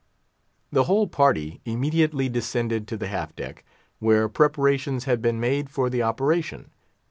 The whole party immediately descended to the half deck, where preparations had been made for the operation.